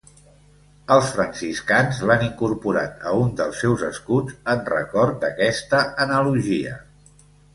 Els franciscans l'han incorporat a un dels seus escuts en record d'aquesta analogia.